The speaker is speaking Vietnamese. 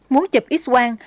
muốn chụp x quan